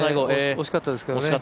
惜しかったですけどね。